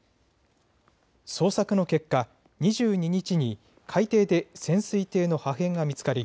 捜索の結果、２２日に海底で潜水艇の破片が見つかり